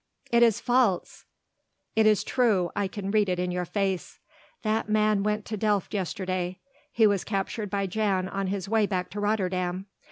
"It is false!" "It is true I can read it in your face. That man went to Delft yesterday he was captured by Jan on his way back to Rotterdam.